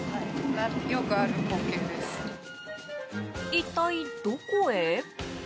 一体どこへ？